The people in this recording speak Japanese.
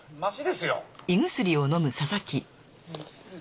すみません。